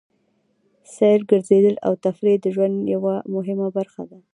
سیل، ګرځېدل او تفرېح د ژوند یوه مهمه برخه ده.